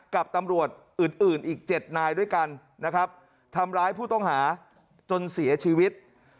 กับตำรวจอื่นอื่นอีก๗นายด้วยกันนะครับทำร้ายผู้ต้องหาจนเสียชีวิต